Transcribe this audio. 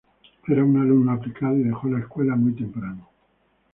Era un alumno aplicado y dejó la escuela muy temprano.